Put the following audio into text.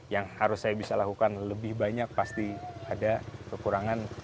yang harus saya bisa lakukan lebih banyak pasti ada kekurangan